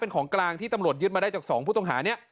เป็นของกลางที่ตำรวจยึดมาได้จาก๒ผู้ต้องหานี้